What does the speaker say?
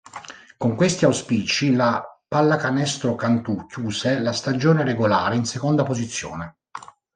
Con questi auspici la Pallacanestro Cantù chiuse la stagione regolare in seconda posizione.